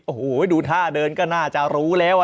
โอ้โหดูท่าเดินก็น่าจะรู้แล้ว